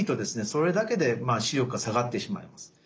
それだけで視力が下がってしまいます。